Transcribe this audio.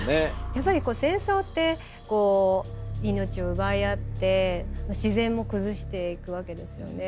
やっぱり戦争ってこう命を奪い合って自然も崩していくわけですよね。